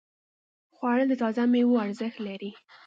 خوړل د تازه ميوو ارزښت لري